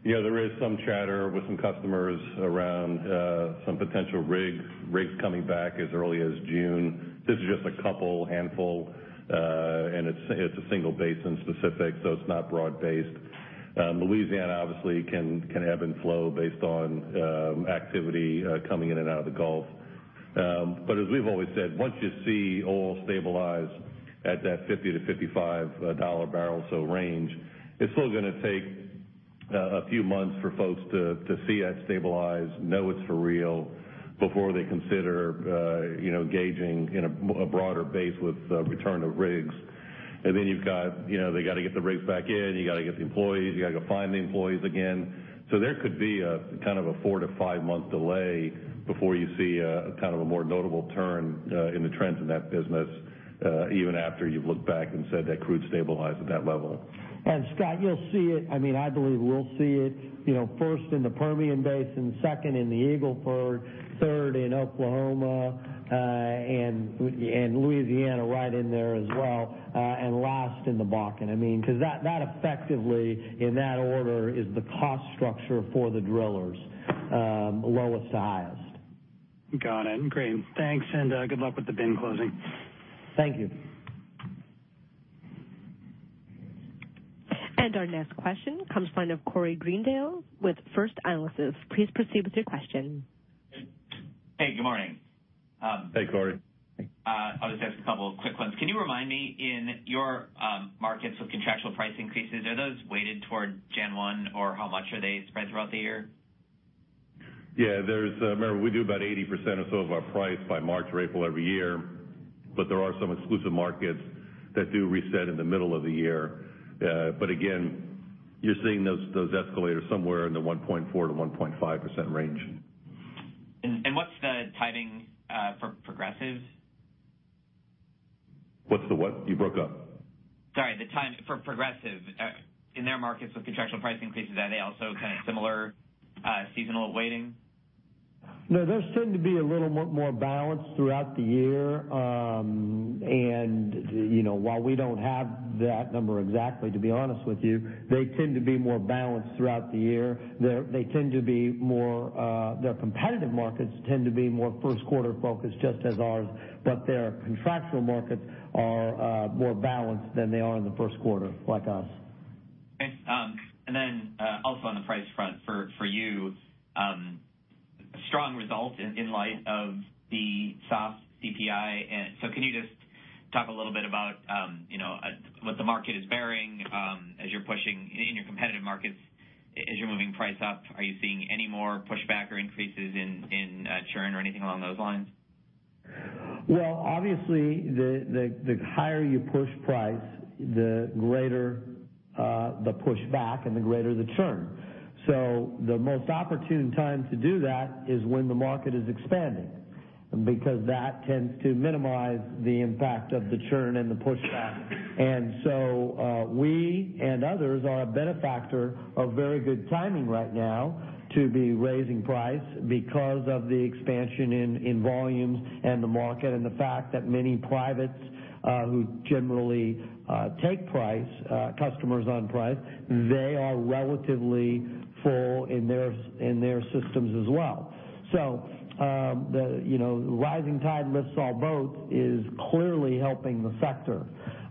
there is some chatter with some customers around some potential rigs coming back as early as June. This is just a couple, handful, and it's a single basin specific, so it's not broad based. Louisiana obviously can ebb and flow based on activity coming in and out of the Gulf. As we've always said, once you see oil stabilize at that $50-$55 a barrel or so range, it's still going to take a few months for folks to see that stabilize, know it's for real before they consider engaging in a broader base with return of rigs. Then they got to get the rigs back in, you got to get the employees, you got to go find the employees again. There could be a four- to five-month delay before you see a more notable turn in the trends in that business, even after you've looked back and said that crude stabilized at that level. Scott, I believe we'll see it, first in the Permian Basin, second in the Eagle Ford, third in Oklahoma, and Louisiana right in there as well, and last in the Bakken. That effectively in that order is the cost structure for the drillers, lowest to highest. Got it. Great. Thanks. Good luck with the BIN closing. Thank you. Our next question comes from the line of Corey Greendale with First Analysis. Please proceed with your question. Hey, good morning. Hey, Corey. I'll just ask a couple of quick ones. Can you remind me, in your markets with contractual price increases, are those weighted toward January 1, or how much are they spread throughout the year? Yeah, remember we do about 80% or so of our price by March or April every year. There are some exclusive markets that do reset in the middle of the year. Again, you're seeing those escalators somewhere in the 1.4%-1.5% range. What's the timing for Progressive? What's the what? You broke up. Sorry, the timing for Progressive. In their markets with contractual price increases, are they also kind of similar seasonal weighting? No, those tend to be a little more balanced throughout the year. While we don't have that number exactly, to be honest with you, they tend to be more balanced throughout the year. Their competitive markets tend to be more first quarter focused, just as ours. Their contractual markets are more balanced than they are in the first quarter, like us. Okay. Also on the price front for you. A strong result in light of the soft CPI. Can you just talk a little bit about what the market is bearing as you're pushing in your competitive markets, as you're moving price up? Are you seeing any more pushback or increases in churn or anything along those lines? Obviously the higher you push price, the greater the pushback and the greater the churn. The most opportune time to do that is when the market is expanding, because that tends to minimize the impact of the churn and the pushback. We and others are a benefactor of very good timing right now to be raising price because of the expansion in volumes and the market, and the fact that many privates who generally take customers on price, they are relatively full in their systems as well. The rising tide lifts all boats is clearly helping the sector,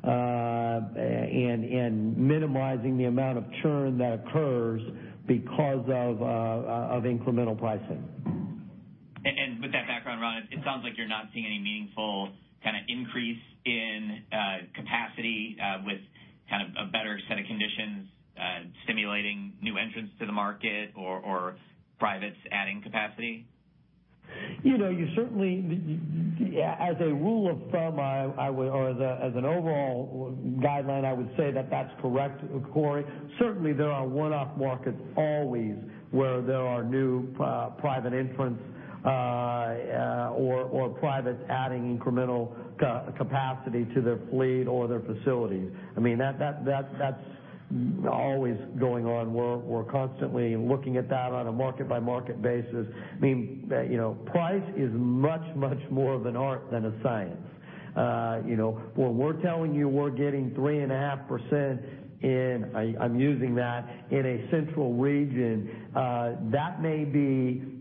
and minimizing the amount of churn that occurs because of incremental pricing. With that background, Ron, it sounds like you're not seeing any meaningful increase in capacity with a better set of conditions stimulating new entrants to the market or privates adding capacity. As a rule of thumb or as an overall guideline, I would say that that's correct, Corey. Certainly there are one-off markets always where there are new private entrants or privates adding incremental capacity to their fleet or their facilities. That's always going on. We're constantly looking at that on a market by market basis. Price is much, much more of an art than a science. When we're telling you we're getting 3.5% in-- I'm using that, in a central region, that may be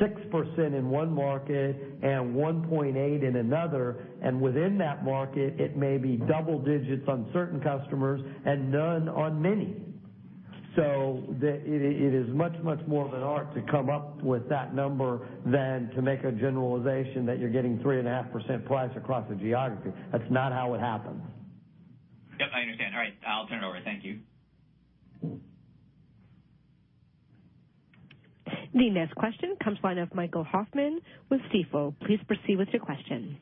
6% in one market and 1.8% in another. Within that market, it may be double digits on certain customers and none on many. It is much, much more of an art to come up with that number than to make a generalization that you're getting 3.5% price across a geography. That's not how it happens. Yep, I understand. All right, I'll turn it over. Thank you. The next question comes line of Michael Hoffman with Stifel. Please proceed with your question.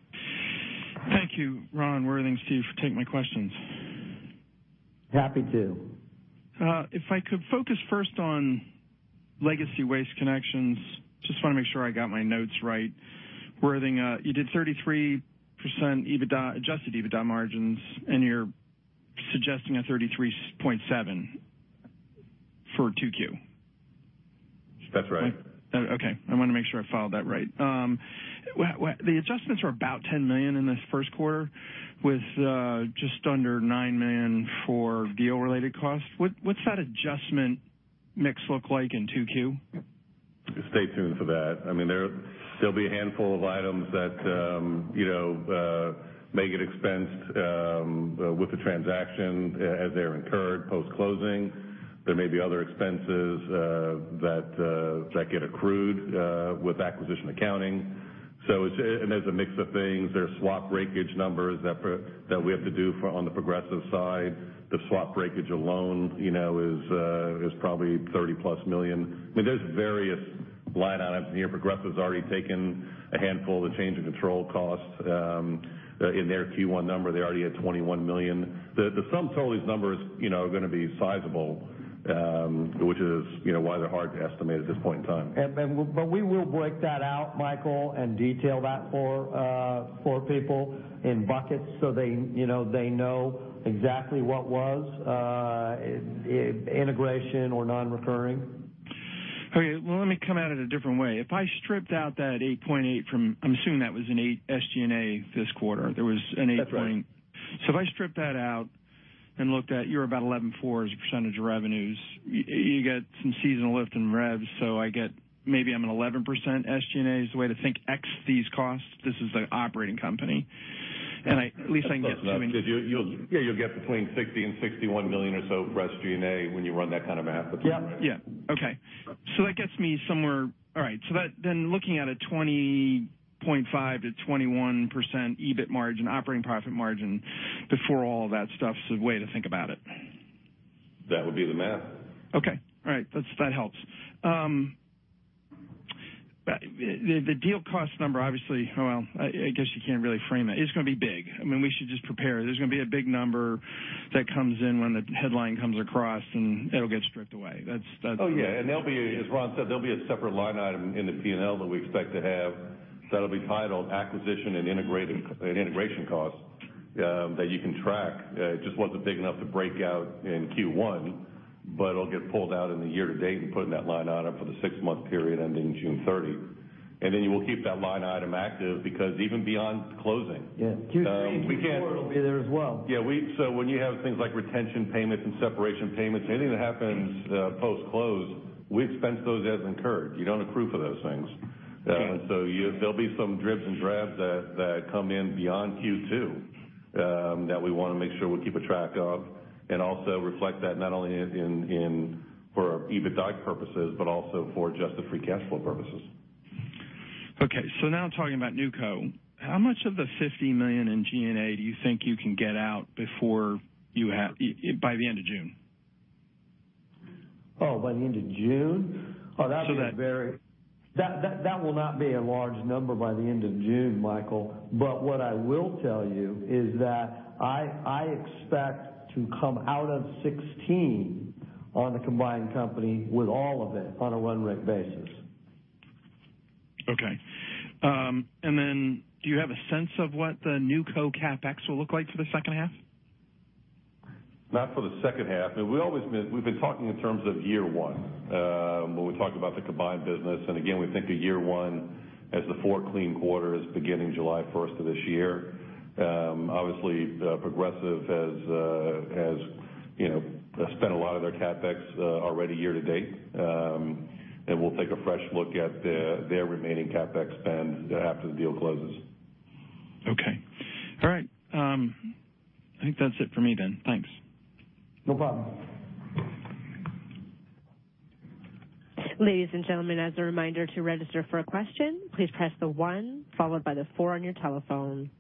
Thank you, Ron, Worthing, Steve, for taking my questions. Happy to. If I could focus first on legacy Waste Connections. Just want to make sure I got my notes right. Worthing, you did 33% adjusted EBITDA margins, and you're suggesting a 33.7% for 2Q. That's right. Okay. I want to make sure I followed that right. The adjustments were about $10 million in this first quarter with just under $9 million for deal-related costs. What's that adjustment mix look like in Q2? Stay tuned for that. There'll be a handful of items that may get expensed with the transaction as they're incurred post-closing. There may be other expenses that get accrued with acquisition accounting. There's a mix of things. There's swap breakage numbers that we have to do on the Progressive side. The swap breakage alone is probably $30-plus million. There's various line items here. Progressive's already taken a handful of the change in control costs in their Q1 number. They already had $21 million. The sum total of these numbers are going to be sizable, which is why they're hard to estimate at this point in time. We will break that out, Michael, and detail that for people in buckets so they know exactly what was integration or non-recurring. Okay. Well, let me come at it a different way. If I stripped out that $8.8, I'm assuming that was an SG&A this quarter. That's right. If I strip that out and looked at, you're about 11.4% as a percentage of revenues. You get some seasonal lift in revs, so I get maybe I'm an 11% SG&A is the way to think ex these costs. This is the operating company. I at least get something. Close enough. You'll get between $60 million and $61 million or so for SG&A when you run that kind of math. Yeah. Okay. That gets me somewhere. All right. Looking at a 20.5%-21% EBIT margin, operating profit margin before all of that stuff is the way to think about it. That would be the math. Okay. All right. That helps. The deal cost number, Well, I guess you can't really frame it. It's going to be big. We should just prepare. There's going to be a big number that comes in when the headline comes across, and it'll get stripped away. Oh, yeah. As Ron said, there'll be a separate line item in the P&L that we expect to have that'll be titled "Acquisition and Integration Costs" that you can track. It just wasn't big enough to break out in Q1, but it'll get pulled out in the year to date and put in that line item for the six-month period ending June 30. Then we'll keep that line item active because even beyond closing. Yeah. Q3 and Q4, it'll be there as well. Yeah. When you have things like retention payments and separation payments, anything that happens post-close, we expense those as incurred. You don't accrue for those things. Okay. There'll be some dribs and drabs that come in beyond Q2 that we want to make sure we're keeping track of and also reflect that not only for our EBITDA purposes, but also for adjusted free cash flow purposes. Okay, now talking about NewCo, how much of the $50 million in G&A do you think you can get out by the end of June? By the end of June? That will not be a large number by the end of June, Michael. What I will tell you is that I expect to come out of 2016 on the combined company with all of it on a run-rate basis. Okay. Do you have a sense of what the NewCo CapEx will look like for the second half? Not for the second half. We've been talking in terms of year one. When we talked about the combined business, again, we think of year one as the four clean quarters beginning July 1st of this year. Obviously, Progressive has spent a lot of their CapEx already year to date, we'll take a fresh look at their remaining CapEx spend after the deal closes. Okay. All right. I think that's it for me then. Thanks. No problem. Ladies and gentlemen, as a reminder to register for a question, please press the one followed by the four on your telephone.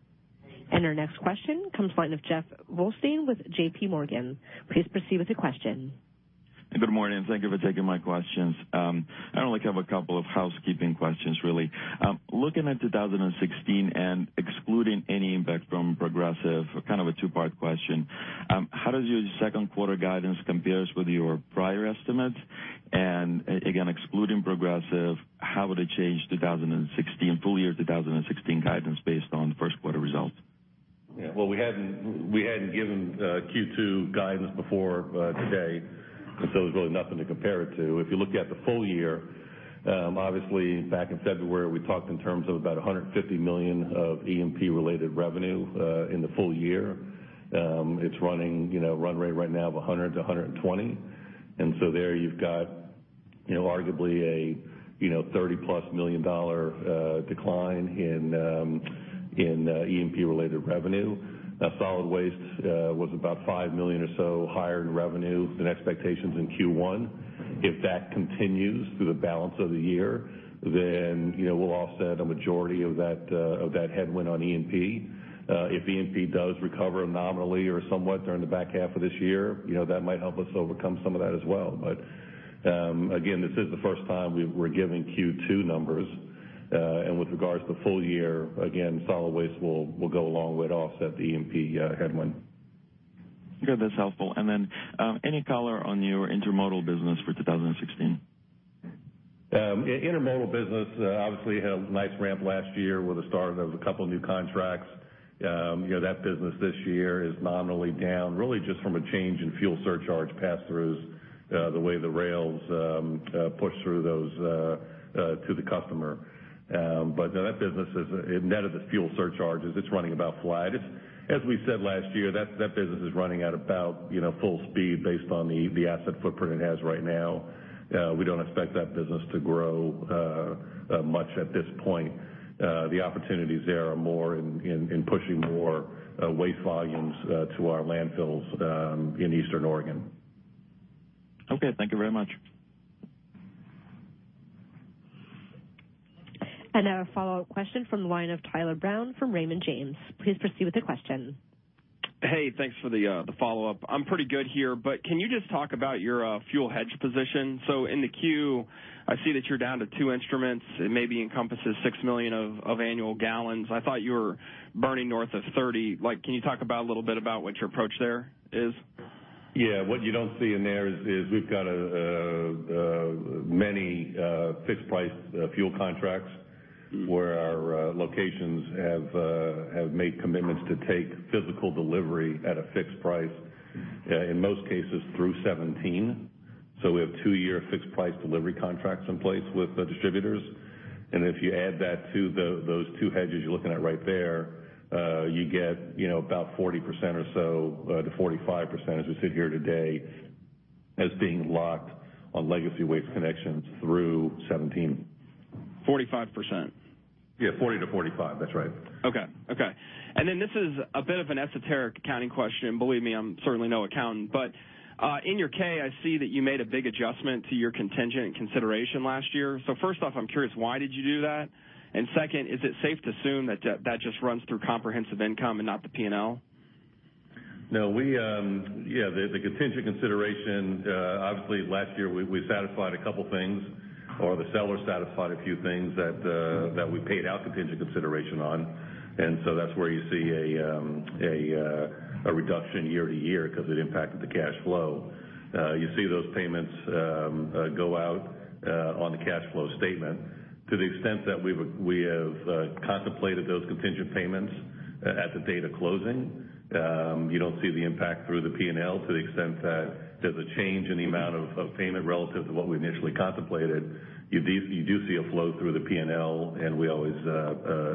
Our next question comes from the line of Jeff Silber with JP Morgan. Please proceed with your question. Good morning. Thank you for taking my questions. I only have a couple of housekeeping questions, really. Looking at 2016 and excluding any impact from Progressive, kind of a two-part question, how does your second quarter guidance compare with your prior estimates? Again, excluding Progressive, how would it change full year 2016 guidance based on first quarter results? We hadn't given Q2 guidance before today, there's really nothing to compare it to. If you look at the full year, obviously back in February, we talked in terms of about $150 million of E&P-related revenue in the full year. It's running run rate right now of $100-$120. There you've got arguably a $30-plus million decline in E&P-related revenue. Solid waste was about $5 million or so higher in revenue than expectations in Q1. If that continues through the balance of the year, we'll offset a majority of that headwind on E&P. If E&P does recover nominally or somewhat during the back half of this year, that might help us overcome some of that as well. This is the first time we're giving Q2 numbers. With regards to full year, again, solid waste will go a long way to offset the E&P headwind. Good. That's helpful. Any color on your intermodal business for 2016? Intermodal business obviously had a nice ramp last year with the start of a couple new contracts. That business this year is nominally down, really just from a change in fuel surcharge pass-throughs, the way the rails push through those to the customer. That business is, net of the fuel surcharges, it's running about flat. As we said last year, that business is running at about full speed based on the asset footprint it has right now. We don't expect that business to grow much at this point. The opportunities there are more in pushing more waste volumes to our landfills in Eastern Oregon. Okay. Thank you very much. Now a follow-up question from the line of Tyler Brown from Raymond James. Please proceed with the question. Hey, thanks for the follow-up. I'm pretty good here, but can you just talk about your fuel hedge position? In the Q, I see that you're down to two instruments. It maybe encompasses 6 million of annual gallons. I thought you were burning north of 30. Can you talk a little bit about what your approach there is? Yeah. What you don't see in there is we've got many fixed price fuel contracts where our locations have made commitments to take physical delivery at a fixed price, in most cases through 2017. We have two-year fixed price delivery contracts in place with distributors. If you add that to those two hedges you're looking at right there, you get about 40%-45% as we sit here today, as being locked on legacy Waste Connections through 2017. 45%? Yeah, 40-45. That's right. Okay. This is a bit of an esoteric accounting question. Believe me, I'm certainly no accountant, but in your K, I see that you made a big adjustment to your contingent consideration last year. First off, I'm curious, why did you do that? Second, is it safe to assume that just runs through comprehensive income and not the P&L? No. The contingent consideration, obviously last year, we satisfied a couple things, or the seller satisfied a few things that we paid out contingent consideration on. That's where you see a reduction year-to-year because it impacted the cash flow. You see those payments go out on the cash flow statement. To the extent that we have contemplated those contingent payments at the date of closing, you don't see the impact through the P&L to the extent that there's a change in the amount of payment relative to what we initially contemplated. You do see a flow through the P&L, and we always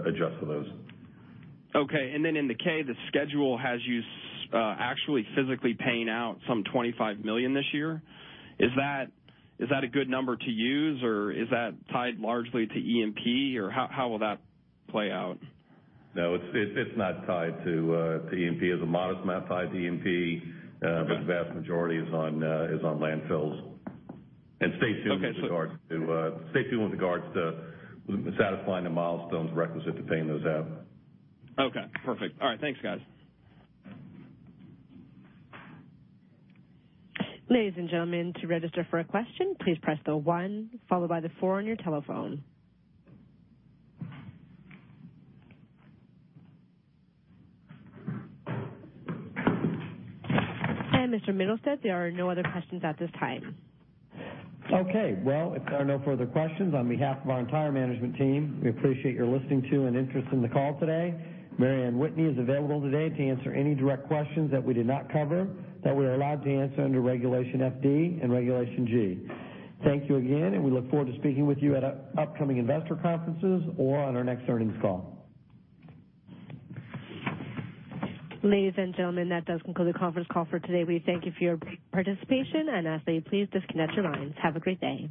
adjust for those. Okay. In the K, the schedule has you actually physically paying out some $25 million this year. Is that a good number to use, or is that tied largely to E&P, or how will that play out? No, it's not tied to E&P. It's a modest amount tied to E&P, but the vast majority is on landfills and stay tuned. Okay, so. Stay tuned with regards to satisfying the milestones requisite to paying those out. Okay, perfect. All right. Thanks, guys. Ladies and gentlemen, to register for a question, please press the one followed by the four on your telephone. Mr. Mittelstaedt, there are no other questions at this time. Okay. Well, if there are no further questions, on behalf of our entire management team, we appreciate your listening to and interest in the call today. Mary Anne Whitney is available today to answer any direct questions that we did not cover that we are allowed to answer under Regulation FD and Regulation G. Thank you again, we look forward to speaking with you at upcoming investor conferences or on our next earnings call. Ladies and gentlemen, that does conclude the conference call for today. We thank you for your participation and ask that you please disconnect your lines. Have a great day.